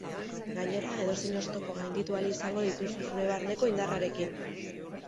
Gainera, edozein oztopo gainditu ahal izango dituzu zure barneko indarrarekin.